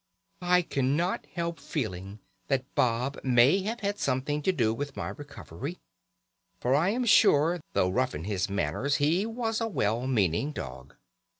I cannot help feeling that Bob may have had something to do with my recovery, for I am sure though rough in his manners he was a well meaning dog.